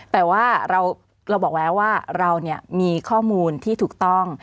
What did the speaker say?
แต่ว่าเราบอกแล้วว่าเรามีข้อมูลที่ถูกต้อง